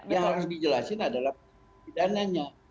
yang harus dijelasin adalah pidananya